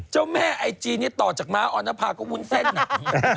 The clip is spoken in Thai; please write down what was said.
เจ้าแม่ไอจีนี่ต่อจังม้าออนภาบวยรูปวุ้นแซ่กหนัก